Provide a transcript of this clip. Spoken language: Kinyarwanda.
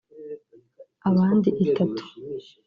abandi itatu